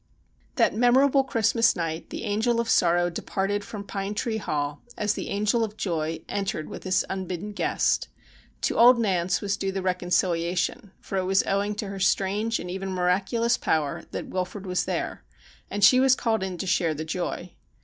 That memorable Christmas night the Angel of Sorrow de parted from Pine Tree Hall, as the Angel of Joy entered with this unbidden guest. To old Nance was due the reconcilia tion, for it was owing to her strange, and even miraculous, power that Wilfrid was there, and she was called in to share the joy.